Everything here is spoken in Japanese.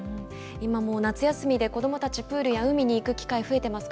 今は夏休みで子どもたちがプールや海に行く機会が増えています。